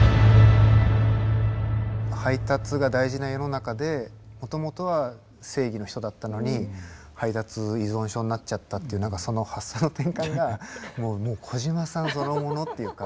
配達が大事な世の中でもともとは正義の人だったのに配達依存症になっちゃったっていう何かその発想の転換がもう小島さんそのものっていうか。